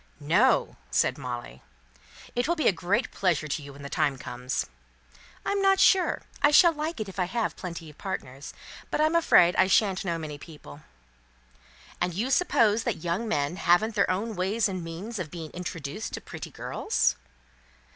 "No!" said Molly. "It will be a great pleasure to you when the time comes." "I'm not sure. I shall like it if I have plenty of partners; but I'm afraid I shan't know many people." "And you suppose that young men haven't their own ways and means of being introduced to pretty girls?"